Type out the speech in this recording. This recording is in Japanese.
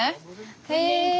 へえ。